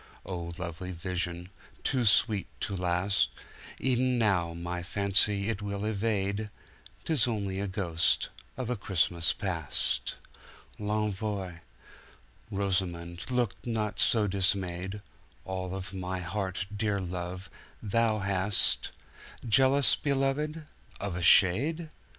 Oh, lovely vision, too sweet to last—E'en now my fancy it will evade— 'Tis only a ghost of a Christmas Past.L'ENVOIRosamond! look not so dismayed, All of my heart, dear love, thou hastJealous, beloved? Of a shade?